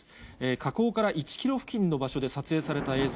火口から１キロ付近の場所で撮影された映像。